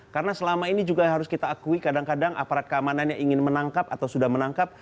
karena selama ini juga harus kita akui kadang kadang aparat keamanan yang ingin menangkap atau sudah menangkap